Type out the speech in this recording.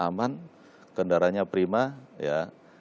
kondisi kendaraannya aman kendaraannya prima ya